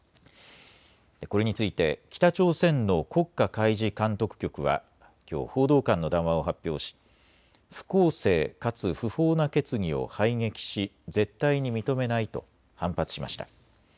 これについて北朝鮮の国家海事監督局はきょう報道官の談話を発表し不公正かつ不法な決議を排撃し絶対に認めないと反発しました。